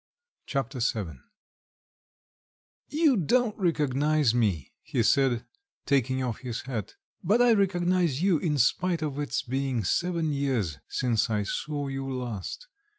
Chapter VII "You don't recognise me," he said, taking off his hat, "but I recognise you in spite of its being seven years since I saw you last.